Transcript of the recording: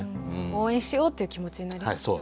応援しようという気持ちになりますよね。